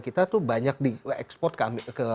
kita tuh banyak di ekspor ke